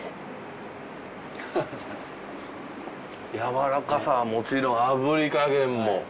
やわらかさはもちろん炙り加減も。